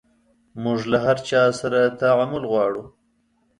موژ له هر چا سره تعامل غواړو